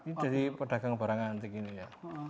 ini jadi pedagang barang antik ini ya